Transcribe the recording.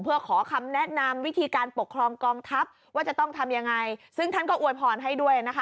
เพื่อขอคำแนะนำวิธีการปกครองกองทัพว่าจะต้องทำยังไงซึ่งท่านก็อวยพรให้ด้วยนะคะ